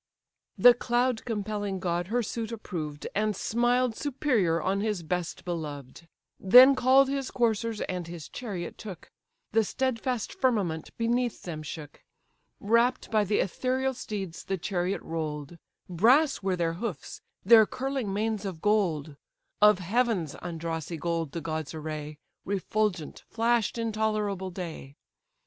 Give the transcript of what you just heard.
The cloud compelling god her suit approved, And smiled superior on his best beloved; Then call'd his coursers, and his chariot took; The stedfast firmament beneath them shook: Rapt by the ethereal steeds the chariot roll'd; Brass were their hoofs, their curling manes of gold: Of heaven's undrossy gold the gods array, Refulgent, flash'd intolerable day.